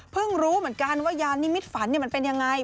รู้เหมือนกันว่ายานนิมิตฝันมันเป็นยังไง